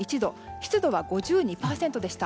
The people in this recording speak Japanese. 湿度は５２％でした。